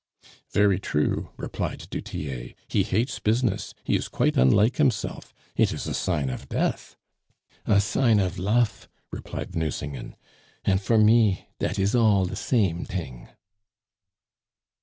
"Very true," replied du Tillet; "he hates business; he is quite unlike himself; it is a sign of death." "A sign of lof," replied Nucingen; "and for me, dat is all de same ting."